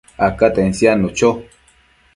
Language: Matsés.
acaten siadnu cho